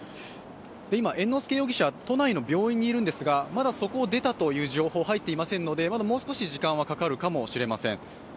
今、猿之助容疑者、都内の病院にいるんですが、そこを出たという情報が入っていませんので、まだもう少し時間はかかるかもしれません。